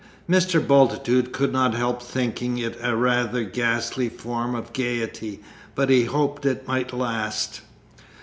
Mr. Bultitude could not help thinking it a rather ghastly form of gaiety, but he hoped it might last.